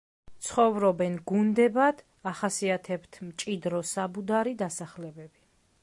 ცხოვრობენ გუნდებად, ახასიათებთ მჭიდრო საბუდარი დასახლებები.